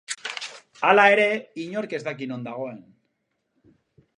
Hala ere, inork ez daki non dagoen.